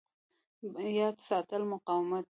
یاد ساتل مقاومت دی.